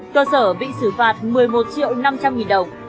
cơ sở bị xử phạt một mươi một triệu năm trăm linh nghìn đồng